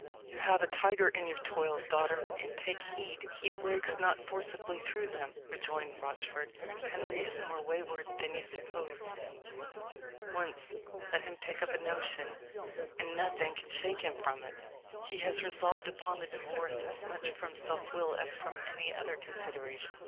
"You have a tiger in your toils, daughter, and take heed he breaks not forcibly through them," rejoined Rochford. "Henry is more wayward than you suppose him. Once let him take up a notion, and nothing can shake him from it. He has resolved upon the divorce as much from self will as from any other consideration.